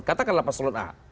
katakanlah paslon a